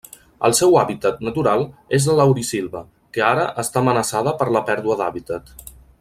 El seu hàbitat natural és la laurisilva, que ara està amenaçada per la pèrdua d'hàbitat.